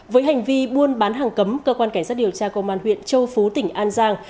với hành vi buôn bán hàng cấm cơ quan cảnh sát điều tra công an huyện châu phú tỉnh an giang